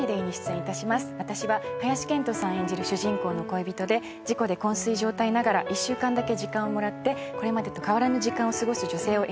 演じる主人公の恋人で事故で昏睡状態ながら１週間だけ時間をもらってこれまでと変わらぬ時間を過ごす女性を演じます。